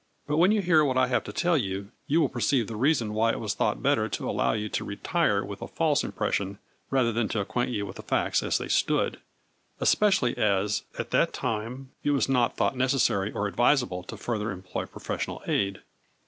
But when you hear what I have to tell you, you will perceive the reason why it was thought better to allow you to retire with a false impression rather than to acquaint you with the facts as they stood, especially as, at that time, it was not thought necessary or advisable to further employ professional aid.